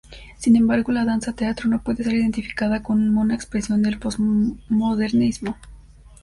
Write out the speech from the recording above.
Sin embargo la danza teatro no puede ser identificada como una expresión del posmodernismo.